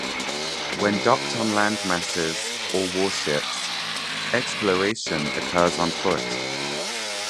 When docked on landmasses or warships, exploration occurs on foot.